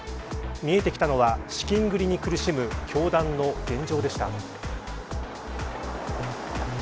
見えてきたのは資金繰りに苦しむ教団の現状でした。